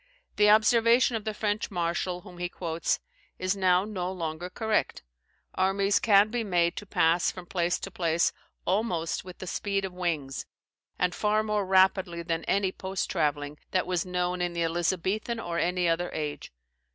The observation of the French marshal, whom he quotes, is now no longer correct. Armies can be made to pass from place to place almost with the speed of wings, and far more rapidly than any post travelling that was known in the Elizabethan or any other age.